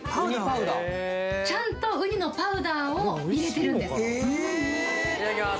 ・ちゃんとうにのパウダーを入れてるんですいただきます